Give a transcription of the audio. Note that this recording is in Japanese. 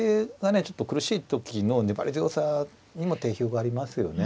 ちょっと苦しい時の粘り強さにも定評がありますよね。